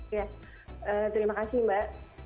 iya terima kasih mbak